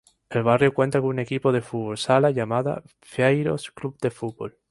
El barrio cuenta con un equipo de fútbol sala llamada Pinheiros Club de Fútbol.